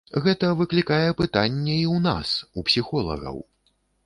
Гэта выклікае пытанне і ў нас, у псіхолагаў.